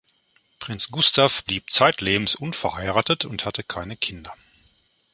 Prinz Gustav blieb zeitlebens unverheiratet und hatte keine Kinder.